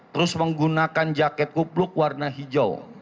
terus menggunakan jaket kupluk warna hijau